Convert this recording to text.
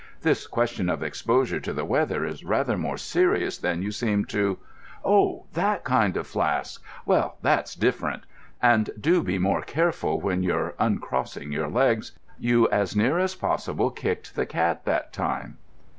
This question of exposure to the weather is rather more serious than you seem to——" "Oh, that kind of flask! Well, that's different. And do be more careful when you're uncrossing your legs. You as near as possible kicked the cat that time."